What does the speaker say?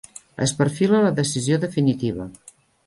Es perfila la decisió definitiva.